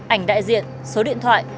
ảnh đại diện số điện thoại